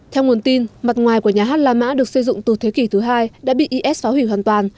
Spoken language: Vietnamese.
theo nguồn tin mặt ngoài của nhà hát la mã được xây dựng từ thế kỷ thứ hai đã bị is phá hủy hoàn toàn